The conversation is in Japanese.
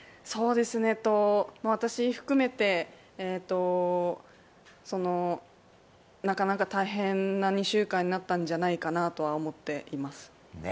私含めて、なかなか大変な２週間になったんじゃないかなとは思っています。